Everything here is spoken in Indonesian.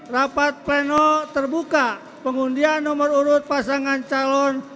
rapat pleno terbuka pengundian nomor urut pasangan calon